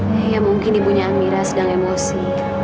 dia yang mungkin ibunya amira sedang emosi